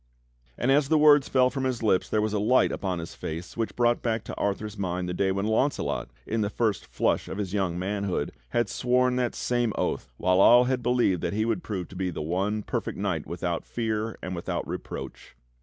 And as the words fell from his lips there was a light upon his face which brought back to Arthur's mind the day when Launcelot, in the first flush of his young manhood, had sworn that same oath while all had believed that he would prove to be that one perfect knight without fear and without reproach.